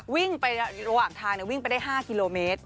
วิ่งไประหว่างทางวิ่งไปได้๕กิโลเมตร